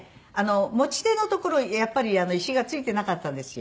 持ち手のところやっぱり石が付いてなかったんですよ。